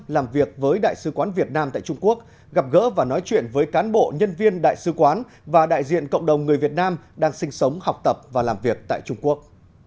làm việc với đại sứ quán việt nam tại trung quốc gặp gỡ và nói chuyện với cán bộ nhân viên đại sứ quán và đại diện cộng đồng người việt nam đang sinh sống học tập và làm việc tại trung quốc